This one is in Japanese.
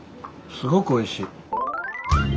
すごくおいしい。